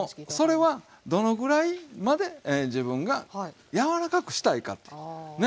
それはどのぐらいまで自分が柔らかくしたいかってね。